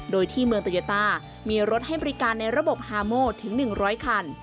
โดยที่เมืองโตโยต้ามีรถให้บริการในระบบฮาโมถึง๑๐๐คัน